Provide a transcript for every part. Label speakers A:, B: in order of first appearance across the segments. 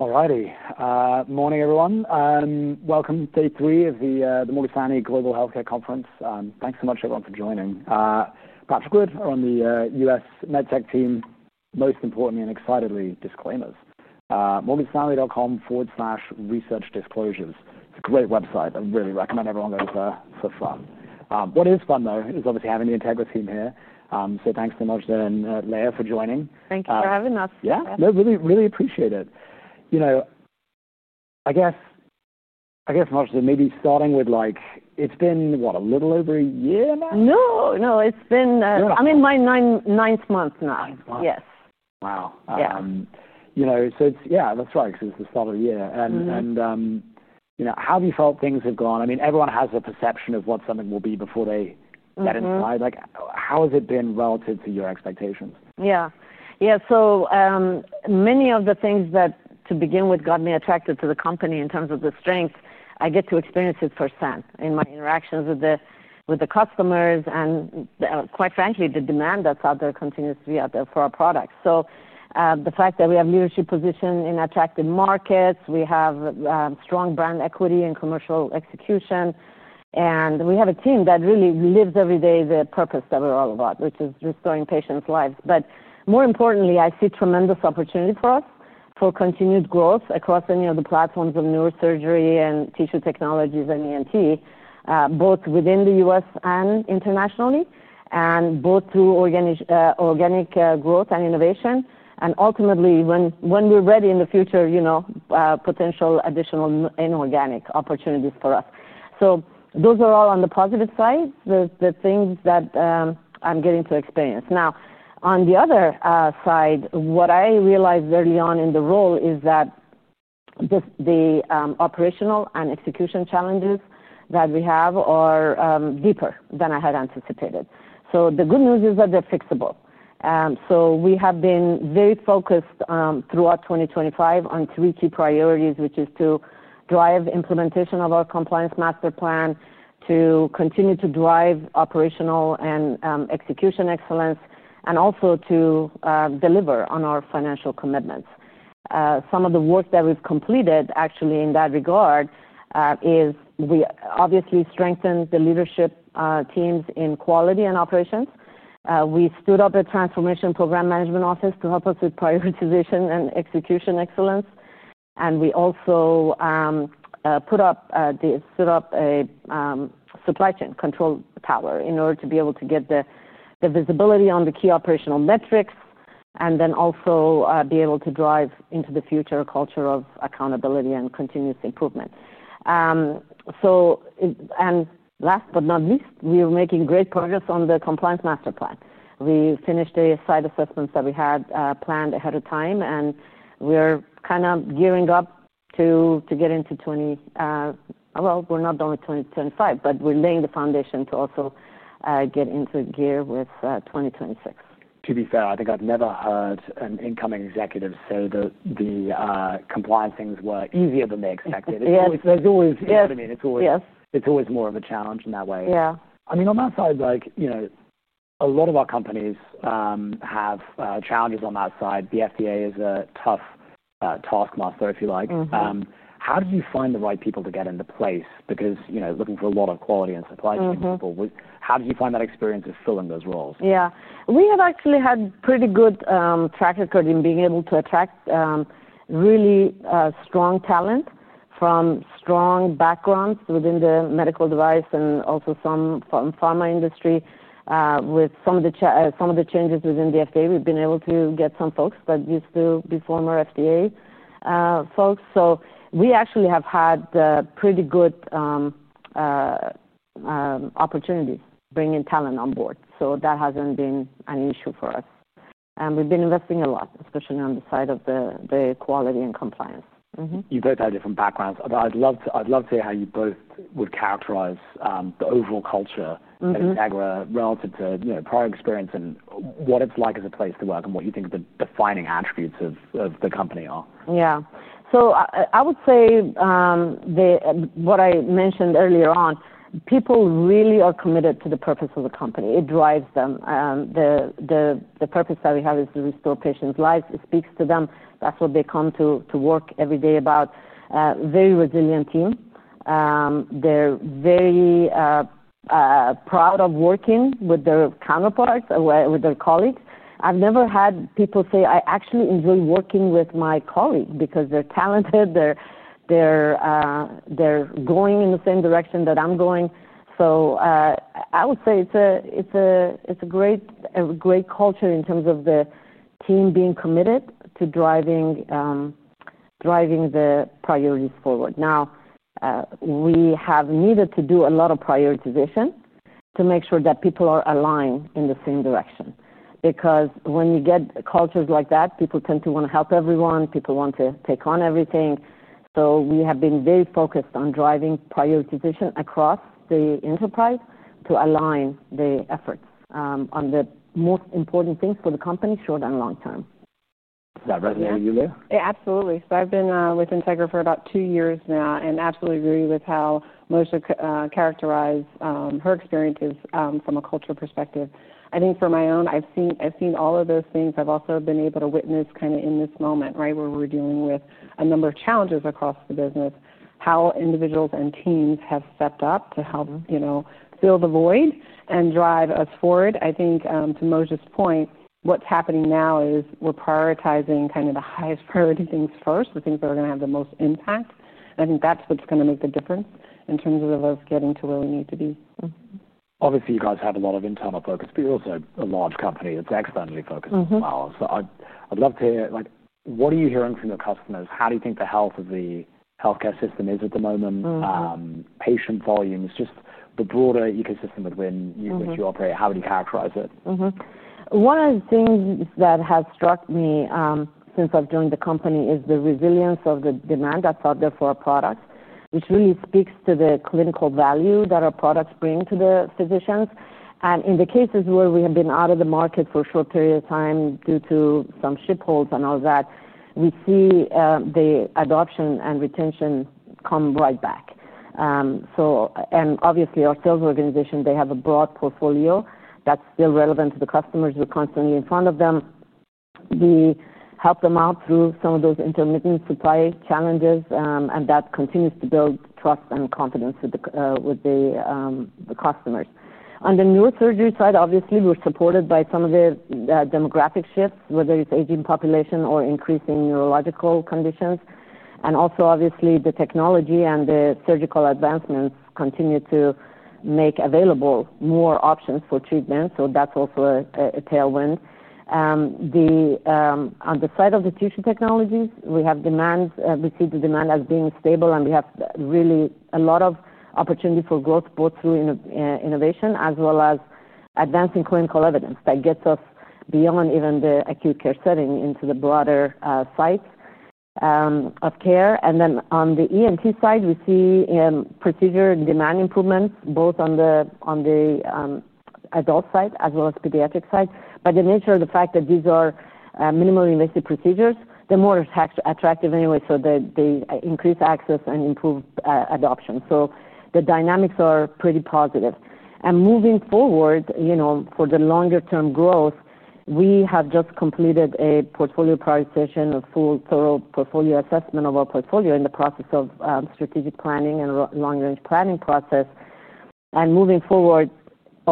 A: Alrighty, morning everyone. Welcome to day three of the Morgan Stanley Global Healthcare Conference. Thanks so much everyone for joining. Patrick Wood, I run the US MedTech team. Most importantly and excitedly, disclaimers: morganstanley.com/researchdisclosures. It's a great website. I really recommend everyone goes there for fun. What is fun though is obviously having the Integra team here. Thanks so much, Lea, for joining.
B: Thanks for having us.
A: Yeah, no, really appreciate it. I guess, Marsha, maybe starting with like, it's been, what, a little over a year now?
B: No, it's been, I'm in my ninth month now.
A: Ninth month?
B: Yes.
A: Wow, you know, that's right. It's the start of the year, and, you know, how have you felt things have gone? I mean, everyone has a perception of what something will be before they get inside. How has it been relative to your expectations?
B: Yeah, so many of the things that, to begin with, got me attracted to the company in terms of the strengths, I get to experience firsthand in my interactions with the customers and, quite frankly, the demand that's out there continues to be out there for our products. The fact that we have a leadership position in attractive markets, we have strong brand equity and commercial execution, and we have a team that really lives every day the purpose that we're all about, which is restoring patients' lives. More importantly, I see tremendous opportunity for us for continued growth across any of the platforms of neurosurgery and tissue technologies and ENT, both within the U.S. and internationally, and both through organic growth and innovation. Ultimately, when we're ready in the future, you know, potential additional inorganic opportunities for us. Those are all on the positive side. These are the things that I'm getting to experience. Now, on the other side, what I realized early on in the role is that just the operational and execution challenges that we have are deeper than I had anticipated. The good news is that they're fixable. We have been very focused throughout 2025 on three key priorities, which is to drive the implementation of our Compliance Master Plan, to continue to drive operational and execution excellence, and also to deliver on our financial commitments. Some of the work that we've completed, actually, in that regard, is we obviously strengthened the leadership teams in quality and operations. We stood up a transformation program management office to help us with prioritization and execution excellence. We also stood up a supply chain control tower in order to be able to get the visibility on the key operational metrics and then also be able to drive into the future a culture of accountability and continuous improvement. Last but not least, we are making great progress on the Compliance Master Plan. We finished the site assessments that we had planned ahead of time, and we're kind of gearing up to get into 2026. We're not done with 2025, but we're laying the foundation to also get into gear with 2026.
A: To be fair, I think I've never heard an incoming executive say that the compliance things were easier than they expected. It's always, there's always, I mean, it's always more of a challenge in that way.
B: Yeah.
A: I mean, on that side, a lot of our companies have challenges on that side. The FDA is a tough taskmaster, if you like. How did you find the right people to get into place? Because, looking for a lot of quality and supply chain people, how did you find that experience of filling those roles?
B: Yeah, we have actually had a pretty good track record in being able to attract really strong talent from strong backgrounds within the medical device and also some pharma industry. With some of the changes within the FDA, we've been able to get some folks that used to be former FDA folks. We actually have had a pretty good opportunity bringing talent on board. That hasn't been an issue for us. We've been investing a lot, especially on the side of the quality and compliance.
A: You both have different backgrounds, but I'd love to hear how you both would characterize the overall culture at Integra LifeSciences relative to prior experience and what it's like as a place to work and what you think the defining attributes of the company are.
B: Yeah, I would say what I mentioned earlier on, people really are committed to the purpose of the company. It drives them. The purpose that we have is to restore patients' lives. It speaks to them. That's what they come to work every day about. Very resilient team. They're very proud of working with their counterparts, with their colleagues. I've never had people say, "I actually enjoy working with my colleague because they're talented. They're going in the same direction that I'm going." I would say it's a great culture in terms of the team being committed to driving the priorities forward. We have needed to do a lot of prioritization to make sure that people are aligned in the same direction. Because when you get cultures like that, people tend to want to help everyone. People want to take on everything. We have been very focused on driving prioritization across the enterprise to align the efforts on the most important things for the company short and long term.
A: Does that resonate with you, Lea?
B: Yeah, absolutely. I've been with Integra LifeSciences for about two years now and absolutely agree with how Marsha characterized her experiences from a culture perspective. For my own, I've seen all of those things. I've also been able to witness in this moment, right, where we're dealing with a number of challenges across the business, how individuals and teams have stepped up to help fill the void and drive us forward. To Marsha's point, what's happening now is we're prioritizing the highest priority things first, the things that are going to have the most impact. I think that's what's going to make the difference in terms of us getting to where we need to be.
A: Obviously, you guys have a lot of internal focus, but you're also a large company that's externally focused as well. I'd love to hear what are you hearing from your customers. How do you think the health of the healthcare system is at the moment? Patient volumes, just the broader ecosystem within you that you operate, how would you characterize it?
B: One of the things that has struck me since I've joined the company is the resilience of the demand that's out there for our product, which really speaks to the clinical value that our products bring to the physicians. In the cases where we have been out of the market for a short period of time due to some shipholds and all that, we see the adoption and retention come right back. Obviously, our sales organization has a broad portfolio that's still relevant to the customers. We're constantly in front of them. We help them out through some of those intermittent supply challenges, and that continues to build trust and confidence with the customers. On the neurosurgery side, we're supported by some of the demographic shifts, whether it's aging population or increasing neurological conditions. Also, the technology and the surgical advancements continue to make available more options for treatment. That's also a tailwind. On the side of the tissue technologies, we see the demand as being stable, and we have really a lot of opportunity for growth both through innovation as well as advancing clinical evidence that gets us beyond even the acute care setting into the broader sites of care. On the ENT side, we see procedure and demand improvements both on the adult side as well as pediatric side. By the nature of the fact that these are minimally invasive procedures, they're more attractive anyway, so they increase access and improve adoption. The dynamics are pretty positive. Moving forward, for the longer-term growth, we have just completed a portfolio prioritization, a full thorough portfolio assessment of our portfolio in the process of strategic planning and long-range planning process. Moving forward,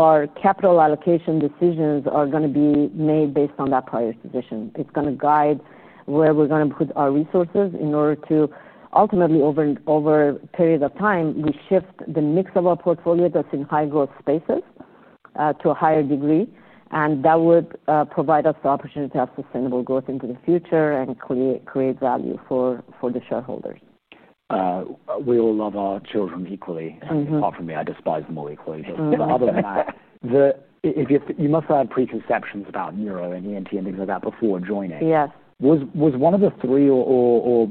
B: our capital allocation decisions are going to be made based on that prioritization. It's going to guide where we're going to put our resources in order to ultimately, over a period of time, shift the mix of our portfolio that's in high growth spaces to a higher degree. That would provide us the opportunity to have sustainable growth into the future and create value for the shareholders.
A: We all love our children equally. I mean, apart from me, I despise them all equally. Other than that, if you must have had preconceptions about neuro and ENT and things like that before joining.
B: Yes.
A: Was one of the three, or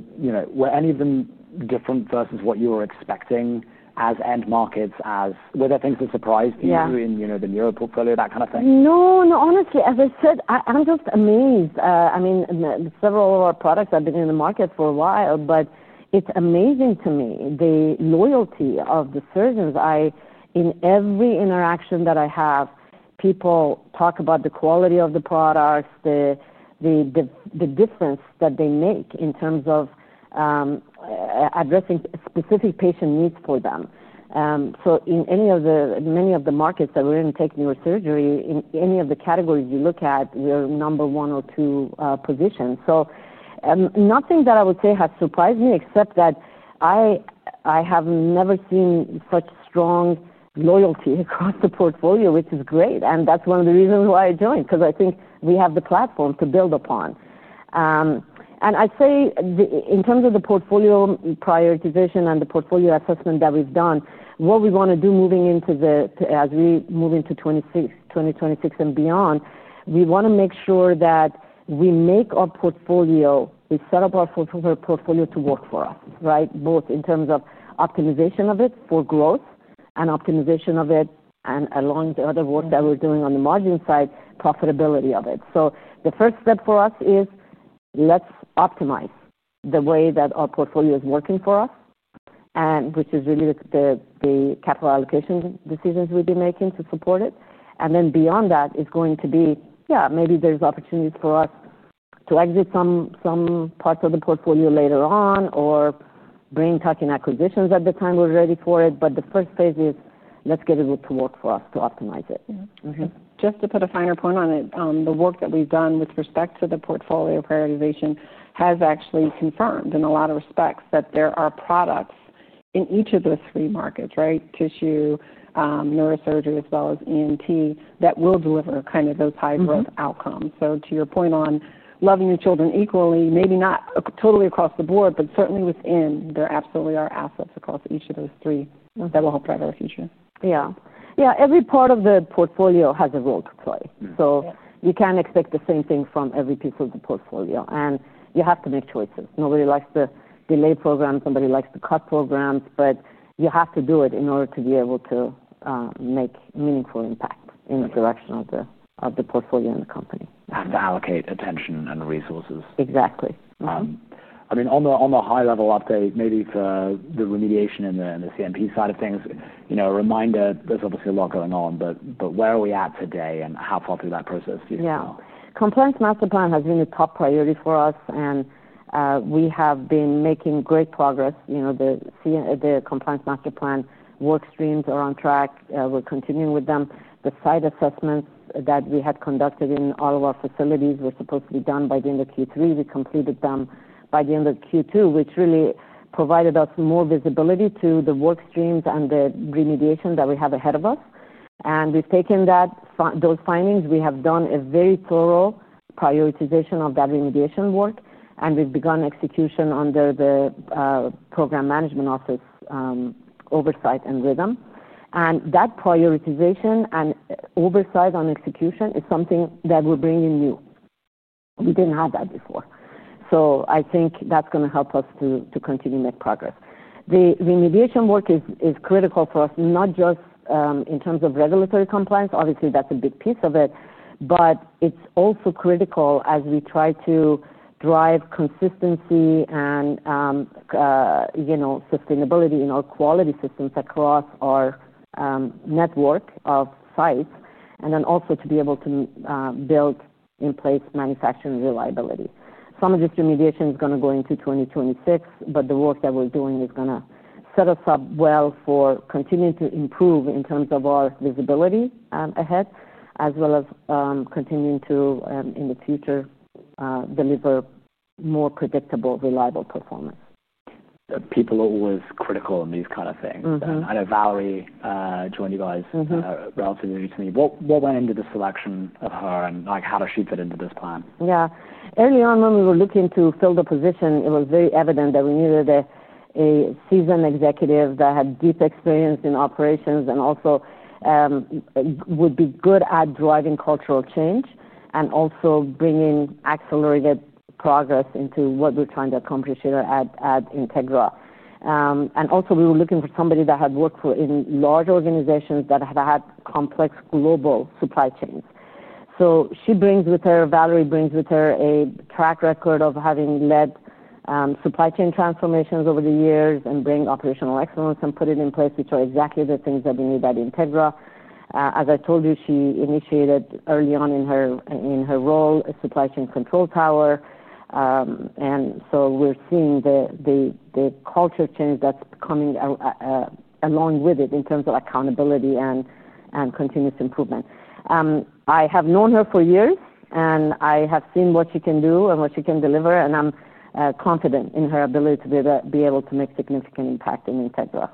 A: were any of them different versus what you were expecting as end markets? Were there things that surprised you in the neuro portfolio, that kind of thing?
B: No, honestly, as I said, I'm just amazed. Several of our products have been in the market for a while, but it's amazing to me the loyalty of the surgeons. In every interaction that I have, people talk about the quality of the products, the difference that they make in terms of addressing specific patient needs for them. In many of the markets that we're in, take neurosurgery, in any of the categories you look at, you're number one or two position. Nothing that I would say has surprised me except that I have never seen such strong loyalty across the portfolio, which is great. That's one of the reasons why I joined, because I think we have the platform to build upon. I'd say in terms of the portfolio prioritization and the portfolio assessment that we've done, what we want to do as we move into 2026 and beyond, we want to make sure that we make our portfolio, we set up our portfolio to work for us, right? Both in terms of optimization of it for growth and optimization of it, and along the other work that we're doing on the margin side, profitability of it. The first step for us is let's optimize the way that our portfolio is working for us, which is really the capital allocation decisions we've been making to support it. Beyond that, it's going to be, yeah, maybe there's opportunities for us to exit some parts of the portfolio later on or bring tuck-in acquisitions at the time we're ready for it. The first phase is let's get it to work for us to optimize it. Yeah.
C: Just to put a finer point on it, the work that we've done with respect to the portfolio prioritization has actually confirmed in a lot of respects that there are products in each of those three markets, right? Tissue, neurosurgery, as well as ENT, that will deliver kind of those high growth outcomes. To your point on loving your children equally, maybe not totally across the board, but certainly within, there absolutely are assets across each of those three that will help drive our future.
B: Yeah, every part of the portfolio has a role to play. You can't expect the same thing from every piece of the portfolio, and you have to make choices. Nobody likes to delay programs. Nobody likes to cut programs, but you have to do it in order to be able to make meaningful impact in the direction of the portfolio in the company.
A: You have to allocate attention and resources.
B: Exactly.
A: On the high level update, maybe for the remediation and the CMP side of things, a reminder, there's obviously a lot going on, but where are we at today and how far through that process do you see?
B: Yeah, compliance master plan has been a top priority for us, and we have been making great progress. You know, the CMP, the compliance master plan work streams are on track, we're continuing with them. The site assessments that we had conducted in all of our facilities were supposed to be done by the end of Q3. We completed them by the end of Q2, which really provided us more visibility to the work streams and the remediation that we have ahead of us. We've taken those findings. We have done a very thorough prioritization of that remediation work, and we've begun execution under the program management office oversight and rhythm. That prioritization and oversight on execution is something that we're bringing new. We didn't have that before. I think that's going to help us to continue to make progress. The remediation work is critical for us, not just in terms of regulatory compliance. Obviously, that's a big piece of it, but it's also critical as we try to drive consistency and, you know, sustainability in our quality systems across our network of sites. Also, to be able to build in place manufacturing reliability. Some of this remediation is going to go into 2026, but the work that we're doing is going to set us up well for continuing to improve in terms of our visibility ahead, as well as continuing to, in the future, deliver more predictable, reliable performance.
A: People are always critical in these kind of things. I know Valerie joined you guys relatively recently. What went into the selection of her, and how does she fit into this plan?
B: Early on when we were looking to fill the position, it was very evident that we needed a seasoned executive that had deep experience in operations and also would be good at driving cultural change and also bringing accelerated progress into what we're trying to accomplish here at Integra. We were looking for somebody that had worked in large organizations that had complex global supply chains. Valerie brings with her a track record of having led supply chain transformations over the years and bringing operational excellence and putting it in place, which are exactly the things that we need at Integra. As I told you, she initiated early on in her role a supply chain control tower. We're seeing the culture change that's coming along with it in terms of accountability and continuous improvement. I have known her for years and I have seen what she can do and what she can deliver. I'm confident in her ability to be able to make significant impact in Integra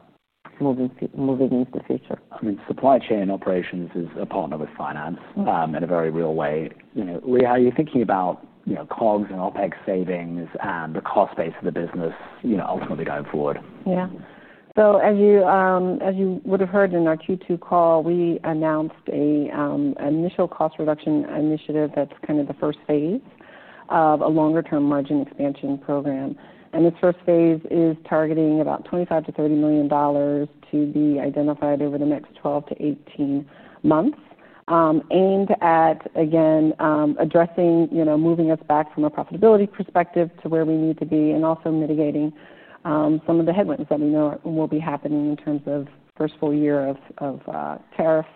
B: moving into the future.
A: I mean, supply chain operations is a partner with Finance in a very real way. You know, Lea, how are you thinking about COGS and OPEX savings and the cost base of the business, ultimately going forward?
C: As you would have heard in our Q2 call, we announced an initial cost reduction initiative that's the first phase of a longer-term margin expansion program. Its first phase is targeting about $25 to $30 million to be identified over the next 12 to 18 months, aimed at addressing moving us back from a profitability perspective to where we need to be and also mitigating some of the headwinds that we know will be happening in terms of the first full year of tariffs,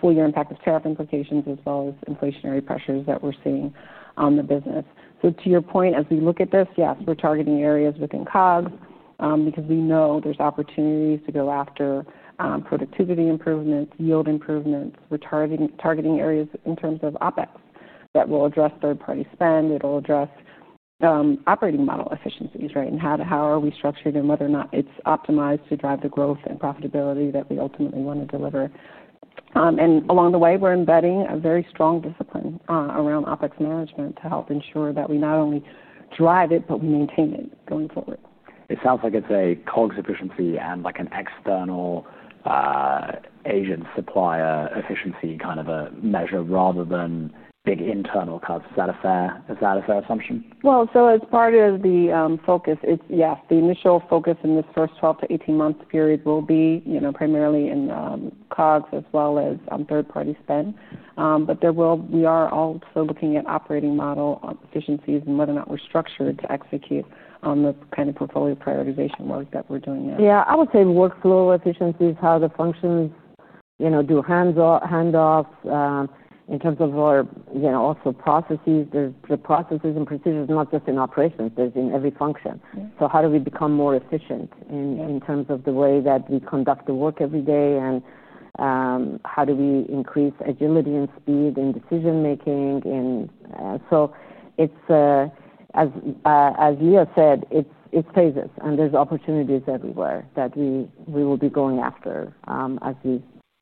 C: full year impact of tariff implications, as well as inflationary pressures that we're seeing on the business. To your point, as we look at this, yes, we're targeting areas within COGS because we know there's opportunities to go after productivity improvements and yield improvements. We're targeting areas in terms of OPEX that will address third-party spend. It'll address operating model efficiencies, right, and how we are structured and whether or not it's optimized to drive the growth and profitability that we ultimately want to deliver. Along the way, we're embedding a very strong discipline around OPEX management to help ensure that we not only drive it, but we maintain it going forward.
A: It sounds like it's a COGS efficiency and like an external, Asian supplier efficiency kind of a measure rather than big internal COGS. Is that a fair assumption?
C: As part of the focus, yes, the initial focus in this first 12 to 18 month period will be primarily in COGS as well as on third-party spend. We are also looking at operating model efficiencies and whether or not we're structured to execute on the kind of portfolio prioritization work that we're doing in.
B: Yeah, I would say workflow efficiencies, how the functions, you know, do handoffs in terms of our, you know, also processes. There are the processes and procedures, not just in operations, there are in every function. How do we become more efficient in terms of the way that we conduct the work every day? How do we increase agility and speed in decision making? As Lea said, it's phases and there are opportunities everywhere that we will be going after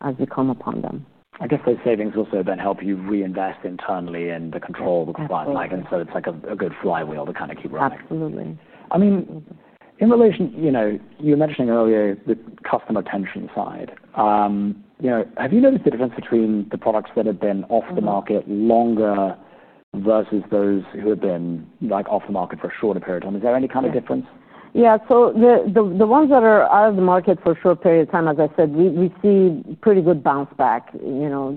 B: as we come upon them.
A: I guess those savings also then help you reinvest internally in the control of the compliance, like, and so it's like a good flywheel to kind of keep running.
B: Absolutely.
A: In relation, you were mentioning earlier the customer tension side. Have you noticed the difference between the products that have been off the market longer versus those who have been off the market for a shorter period of time? Is there any kind of difference?
B: Yeah, so the ones that are out of the market for a short period of time, as I said, we see pretty good bounce back. We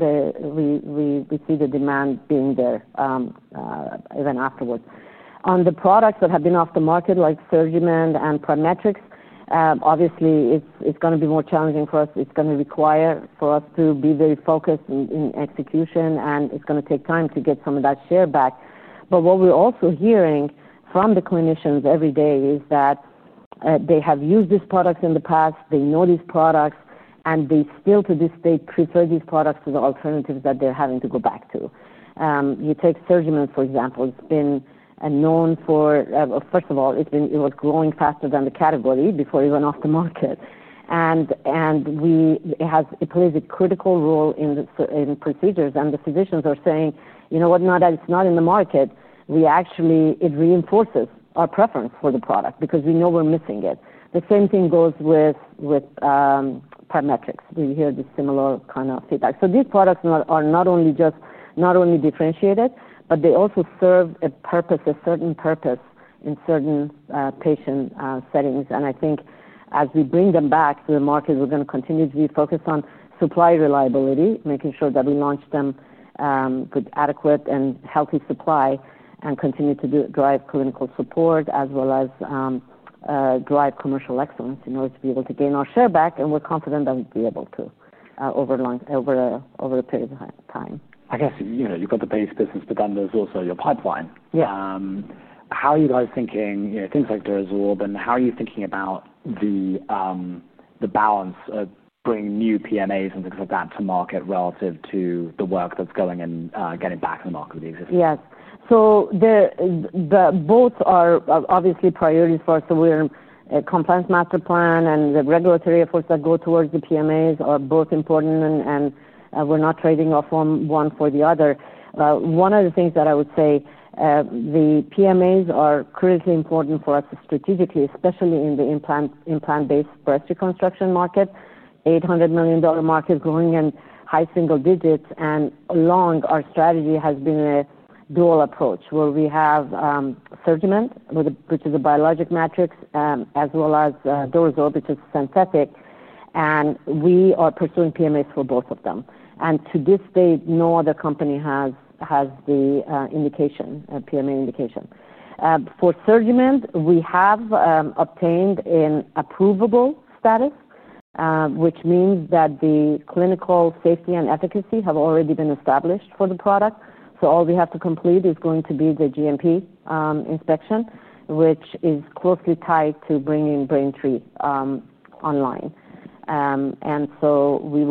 B: see the demand being there, even afterwards. On the products that have been off the market, like SurgiMend and Prometrix, obviously it's going to be more challenging for us. It's going to require for us to be very focused in execution, and it's going to take time to get some of that share back. What we're also hearing from the clinicians every day is that they have used these products in the past, they know these products, and they still, to this date, prefer these products to the alternatives that they're having to go back to. You take SurgiMend, for example, it's been known for, first of all, it was growing faster than the category before it went off the market. It has played a critical role in the procedures. The physicians are saying, you know what, now that it's not in the market, it actually reinforces our preference for the product because we know we're missing it. The same thing goes with Prometrix. Do you hear this similar kind of feedback? These products are not only differentiated, but they also serve a certain purpose in certain patient settings. I think as we bring them back to the market, we're going to continue to be focused on supply reliability, making sure that we launch them with adequate and healthy supply and continue to drive clinical support as well as drive commercial excellence in order to be able to gain our share back. We're confident that we'll be able to, over a period of time.
A: I guess you've got the base business, but then there's also your pipeline.
B: Yeah.
A: How are you guys thinking about things like DozeWorld, and how are you thinking about the balance of bringing new PMAs and things like that to market relative to the work that's going in, getting back in the market with the existing?
B: Yeah, so both are obviously priorities for us to win a Compliance Master Plan and the regulatory efforts that go towards the PMAs are both important. We're not trading off one for the other. One of the things that I would say, the PMAs are critically important for us strategically, especially in the implant-based breast reconstruction market. $800 million market growing in high single digits. Our strategy has been a dual approach where we have SurgiMend®, which is a biologic matrix, as well as DozeWorld, which is synthetic. We are pursuing PMAs for both of them. To this date, no other company has the indication, PMA indication. For SurgiMend®, we have obtained an approvable status, which means that the clinical safety and efficacy have already been established for the product. All we have to complete is going to be the GMP inspection, which is closely tied to bringing BrainTree online. We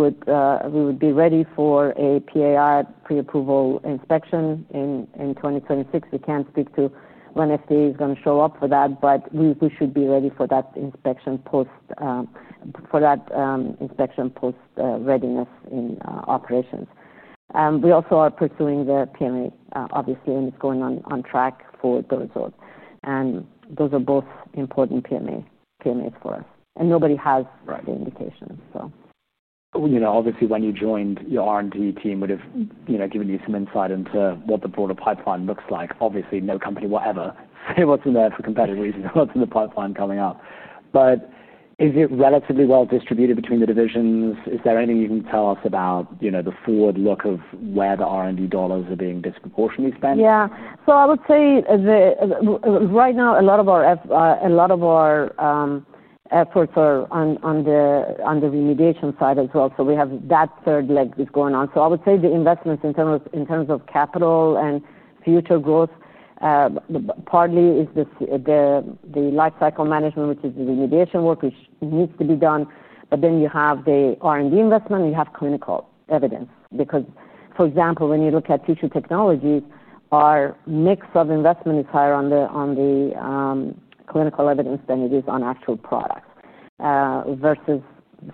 B: would be ready for a PAI pre-approval inspection in 2026. We can't speak to when FDA is going to show up for that, but we should be ready for that inspection post readiness in operations. We also are pursuing the PMA, obviously, and it's going on track for DozeWorld. Those are both important PMAs for us. Nobody has the indication, so.
A: Obviously, when you joined, your R&D team would have given you some insight into what the broader pipeline looks like. Obviously, no company would ever say what's in there for competitive reasons, what's in the pipeline coming up. Is it relatively well distributed between the divisions? Is there anything you can tell us about the forward look of where the R&D dollars are being disproportionately spent?
B: I would say right now a lot of our efforts are on the remediation side as well. We have that third leg that's going on. I would say the investments in terms of capital and future growth, partly is the lifecycle management, which is the remediation work that needs to be done. Then you have the R&D investment and you have clinical evidence because, for example, when you look at tissue technologies, our mix of investment is higher on the clinical evidence than it is on actual products, versus,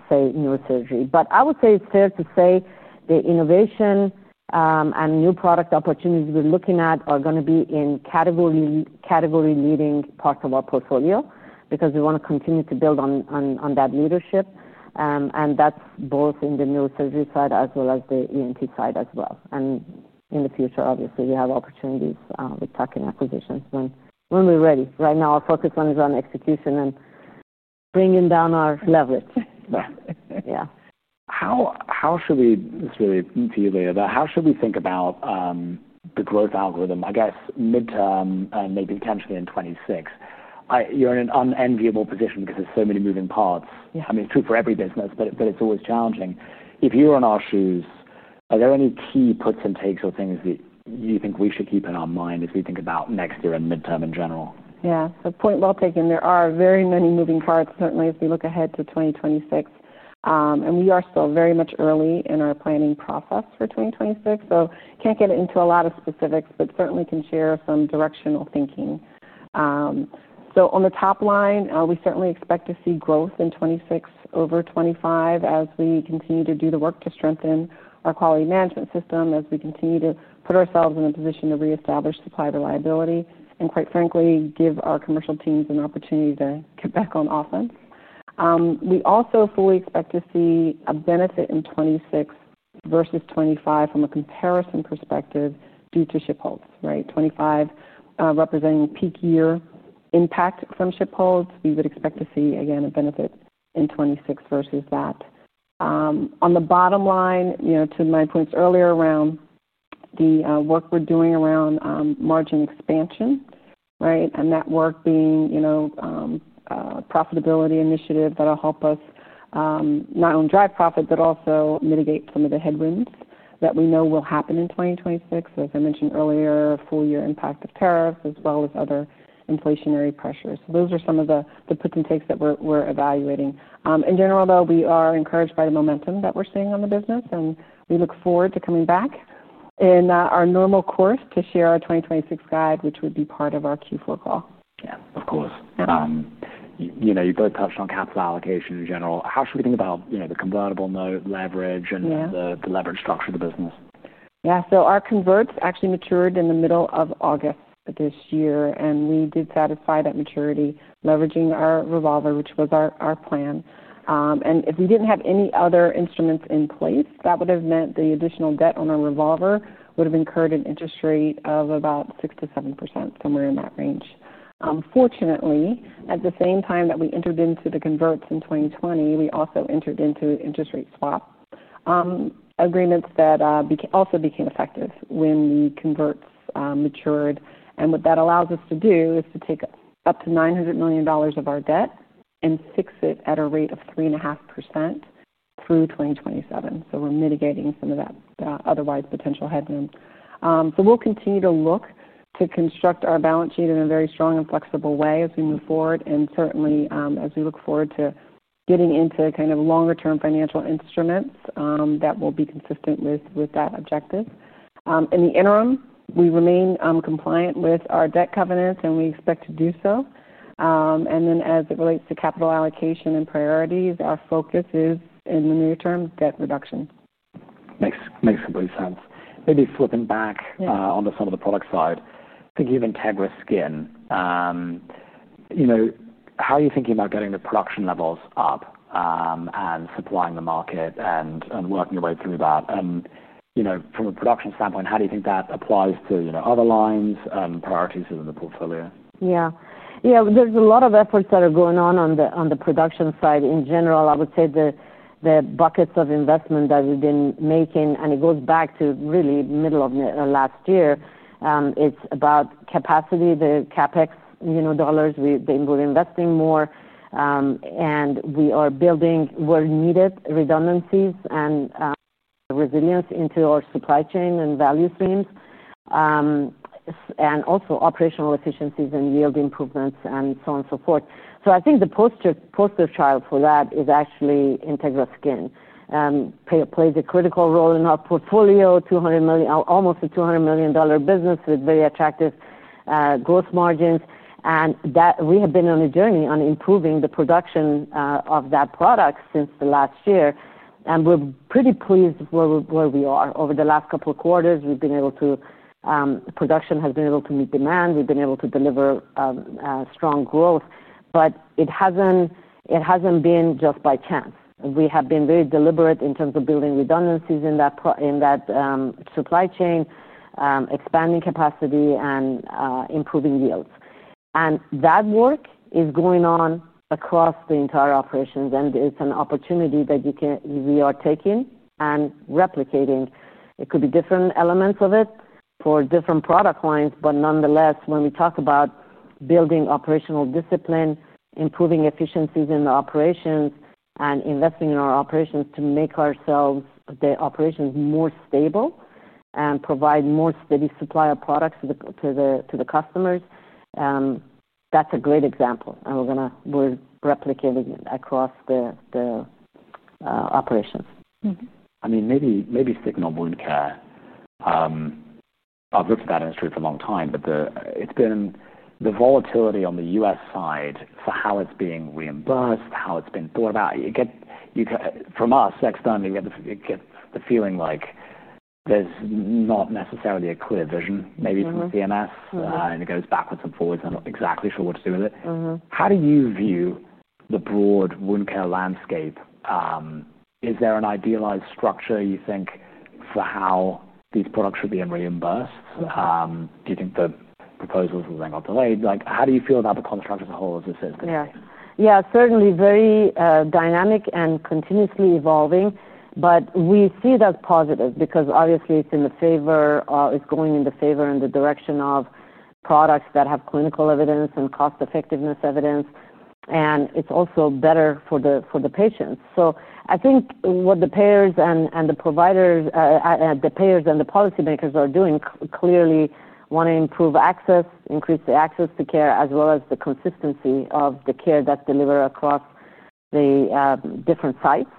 B: say, neurosurgery. I would say it's fair to say the innovation and new product opportunities we're looking at are going to be in category-leading parts of our portfolio because we want to continue to build on that leadership. That's both in the neurosurgery side as well as the ENT side as well. In the future, obviously, we have opportunities with tuck-in acquisitions when we're ready. Right now, our focus is on execution and bringing down our leverage.
A: How should we, this is really to you, Lea, though, how should we think about the growth algorithm, I guess, midterm and maybe potentially in 2026? You're in an unenviable position because there's so many moving parts.
B: Yeah.
A: I mean, it's true for every business, but it's always challenging. If you're in our shoes, are there any key puts and takes or things that you think we should keep in our mind as we think about next year and midterm in general?
C: Yeah, so point well taken. There are very many moving parts, certainly as we look ahead to 2026, and we are still very much early in our planning process for 2026. I can't get into a lot of specifics, but certainly can share some directional thinking. On the top line, we certainly expect to see growth in 2026 over 2025 as we continue to do the work to strengthen our quality management system, as we continue to put ourselves in a position to reestablish supply reliability and, quite frankly, give our commercial teams an opportunity to get back on offense. We also fully expect to see a benefit in 2026 versus 2025 from a comparison perspective due to shipholds, right? 2025 representing peak year impact from shipholds. We would expect to see, again, a benefit in 2026 versus that. On the bottom line, to my points earlier around the work we're doing around margin expansion, right? That work being a profitability initiative that'll help us not only drive profit, but also mitigate some of the headwinds that we know will happen in 2026. As I mentioned earlier, full year impact of tariffs, as well as other inflationary pressures. Those are some of the puts and takes that we're evaluating. In general, though, we are encouraged by the momentum that we're seeing on the business, and we look forward to coming back in our normal course to share our 2026 guide, which would be part of our Q4 call.
A: Yeah, of course. You know, you've got to touch on capital allocation in general. How should we think about, you know, the convertible note leverage and the leverage structure of the business?
C: Yeah, our converts actually matured in the middle of August this year, and we did satisfy that maturity leveraging our revolver, which was our plan. If we didn't have any other instruments in place, that would have meant the additional debt on our revolver would have incurred an interest rate of about 6% to 7%, somewhere in that range. Fortunately, at the same time that we entered into the converts in 2020, we also entered into an interest rate swap agreement that also became effective when the converts matured. What that allows us to do is to take up to $900 million of our debt and fix it at a rate of 3.5% through 2027. We're mitigating some of that otherwise potential headwind. We'll continue to look to construct our balance sheet in a very strong and flexible way as we move forward, and certainly, as we look forward to getting into kind of longer-term financial instruments, that will be consistent with that objective. In the interim, we remain compliant with our debt covenants, and we expect to do so. As it relates to capital allocation and priorities, our focus is in the near term, debt reduction.
A: Makes complete sense. Maybe flipping back onto some of the product side, thinking of Integra® Dermal Regeneration Template, you know, how are you thinking about getting the production levels up, and supplying the market, and working your way through that? From a production standpoint, how do you think that applies to other lines and priorities within the portfolio?
B: Yeah, yeah, there's a lot of efforts that are going on on the production side in general. I would say the buckets of investment that we've been making, and it goes back to really middle of last year, it's about capacity, the CapEx dollars. We've been investing more, and we are building where needed redundancies and resilience into our supply chain and value streams, and also operational efficiencies and yield improvements and so on and so forth. I think the poster child for that is actually Integra® Dermal Regeneration Template. It plays a critical role in our portfolio, almost a $200 million business with very attractive growth margins. We have been on a journey on improving the production of that product since last year, and we're pretty pleased with where we are over the last couple of quarters. Production has been able to meet demand. We've been able to deliver strong growth. It hasn't been just by chance. We have been very deliberate in terms of building redundancies in that supply chain, expanding capacity, and improving yields. That work is going on across the entire operations, and it's an opportunity that we are taking and replicating. It could be different elements of it for different product lines, but nonetheless, when we talk about building operational discipline, improving efficiencies in the operations, and investing in our operations to make the operations more stable and provide more steady supply of products to the customers, that's a great example. We're replicating it across the operations.
A: Maybe Signal wouldn't care. I've looked at that industry for a long time, but it's been the volatility on the U.S. side for how it's being reimbursed, how it's been thought about. You get, from us, next time you get the feeling like there's not necessarily a clear vision, maybe from CMS, and it goes backwards and forwards. I'm not exactly sure what to do with it. How do you view the broad wound care landscape? Is there an idealized structure you think for how these products should be reimbursed? Do you think the proposals will then get delayed? How do you feel about the construct as a whole as it sits?
B: Yeah, certainly very dynamic and continuously evolving. We see that as positive because obviously it's going in the favor, in the direction of products that have clinical evidence and cost-effectiveness evidence. It's also better for the patients. I think what the payers, the providers, and the policymakers are doing clearly is to improve access, increase the access to care, as well as the consistency of the care that's delivered across the different sites,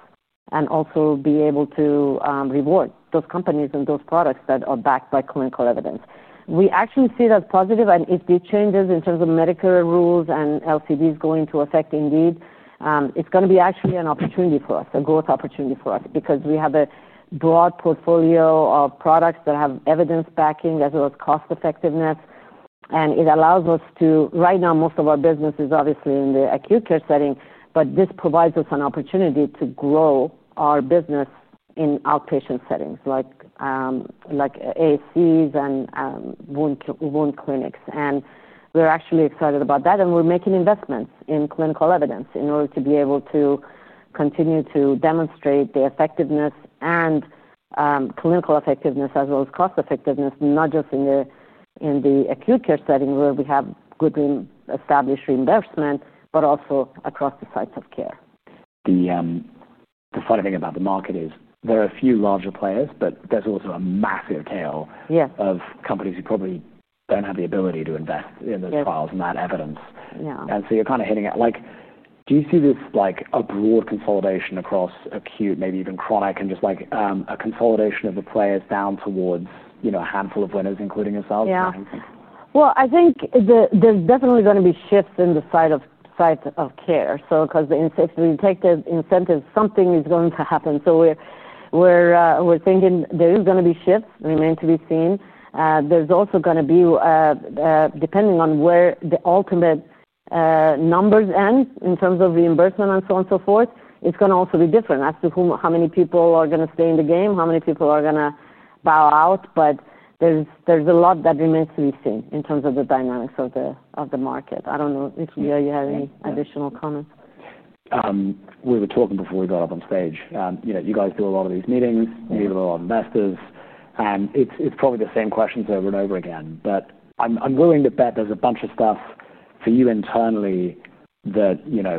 B: and also be able to reward those companies and those products that are backed by clinical evidence. We actually see that as positive. If these changes in terms of Medicare rules and LCDs go into effect, it's going to be actually an opportunity for us, a growth opportunity for us because we have a broad portfolio of products that have evidence backing as well as cost effectiveness. It allows us to, right now, most of our business is obviously in the acute care setting, but this provides us an opportunity to grow our business in outpatient settings, like AACs and wound clinics. We're actually excited about that. We're making investments in clinical evidence in order to be able to continue to demonstrate the effectiveness and clinical effectiveness as well as cost effectiveness, not just in the acute care setting where we have good established reimbursement, but also across the sites of care.
A: The funny thing about the market is there are a few larger players, but there's also a massive tail of companies who probably don't have the ability to invest in those trials and that evidence.
B: Yeah.
A: You're kind of hitting it. Do you see this like a broad consolidation across acute, maybe even chronic, and just like a consolidation of the players down towards a handful of winners, including yourself?
B: I think there's definitely going to be shifts in the sites of care because the incentives, something is going to happen. We're thinking there is going to be shifts, remaining to be seen. There's also going to be, depending on where the ultimate numbers end in terms of reimbursement and so on and so forth, it's going to also be different as to whom, how many people are going to stay in the game, how many people are going to bow out. There's a lot that remains to be seen in terms of the dynamics of the market. I don't know if Lea, you had any additional comments?
A: We were talking before we got up on stage. You know, you guys do a lot of these meetings, you deal with a lot of investors, and it's probably the same questions over and over again. I'm willing to bet there's a bunch of stuff for you internally that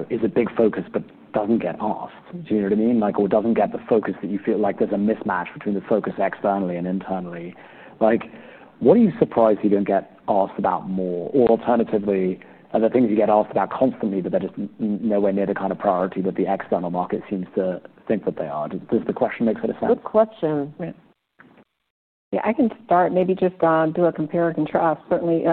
A: is a big focus but doesn't get asked. Do you know what I mean? Or doesn't get the focus that you feel like there's a mismatch between the focus externally and internally. What are you surprised you don't get asked about more? Alternatively, are there things you get asked about constantly, but they're just nowhere near the kind of priority that the external market seems to think that they are? Does the question make sense?
C: Good question. Yeah, I can start. Maybe just do a compare and contrast. Certainly,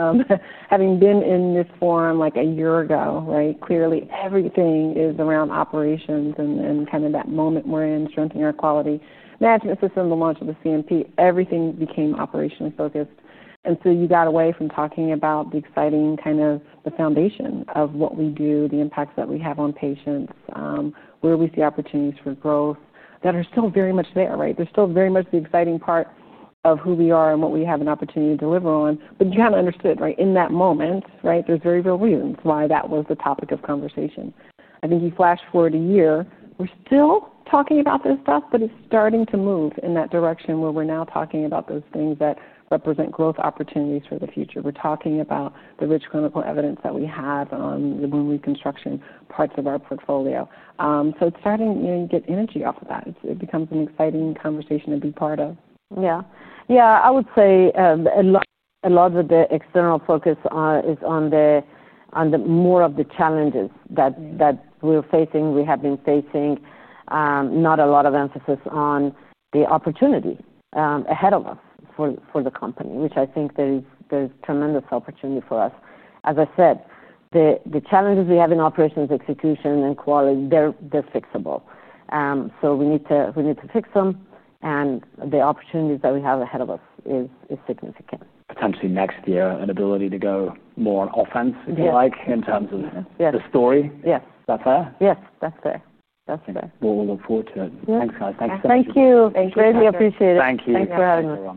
C: having been in this forum, like a year ago, right? Clearly, everything is around operations and kind of that moment we're in, strengthening our quality. As you know, since the launch of the CMP, everything became operationally focused. You got away from talking about the exciting kind of the foundation of what we do, the impacts that we have on patients, where we see opportunities for growth that are still very much there, right? There's still very much the exciting part of who we are and what we have an opportunity to deliver on. You kind of understood, right? In that moment, there's very real reasons why that was the topic of conversation. I think you flash forward a year, we're still talking about this stuff, but it's starting to move in that direction where we're now talking about those things that represent growth opportunities for the future. We're talking about the rich clinical evidence that we have on the wound reconstruction parts of our portfolio. It's starting, you know, you get energy off of that. It becomes an exciting conversation to be part of.
B: Yeah, I would say a lot of the external focus is on more of the challenges that we're facing. We have been facing not a lot of emphasis on the opportunity ahead of us for the company, which I think there's tremendous opportunity for us. As I said, the challenges we have in operations, execution, and quality, they're fixable. We need to fix them, and the opportunities that we have ahead of us is significant.
A: Potentially next year, an ability to go more on offense, if you like, in terms of the story.
B: Yes.
A: Is that fair?
B: Yes, that's fair. That's fair.
A: We look forward to it.
B: Yeah.
A: Thanks, guys.
B: Thank you. Thank you.
C: Thank you.
B: Thank you.
C: Thanks for having us.